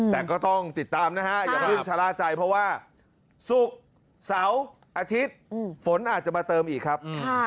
แต่ก็ต้องติดตามนะฮะอย่าเพิ่งชะล่าใจเพราะว่าศุกร์เสาร์อาทิตย์ฝนอาจจะมาเติมอีกครับ